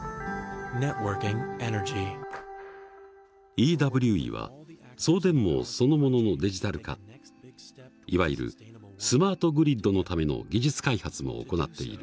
ＥＷＥは送電網そのもののデジタル化いわゆるスマート・グリッドのための技術開発も行っている。